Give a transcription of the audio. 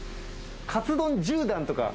「かつ丼１０段」とか。